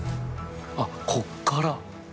あっこっから。